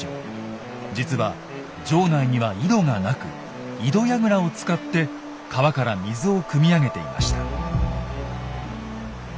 実は城内には井戸がなく井戸櫓を使って川から水をくみ上げていました。